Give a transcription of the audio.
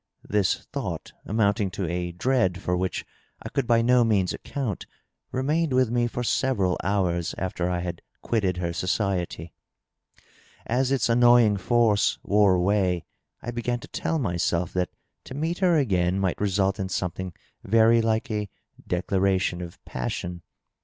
This thought, amounting to a dread for which I could by no means account, remained with me for several hours after I had quitted her society. As its annoying force wore away, I b^an to tell myself that to meet her again might result in something very like a declaration of passion.